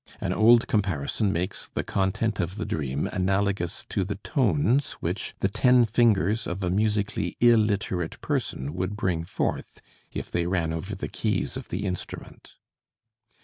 An old comparison makes the content of the dream analogous to the tones which the "ten fingers of a musically illiterate person would bring forth if they ran over the keys of the instrument."